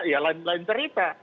ya lain lain cerita